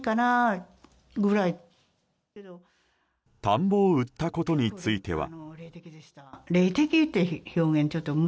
田んぼを売ったことについては。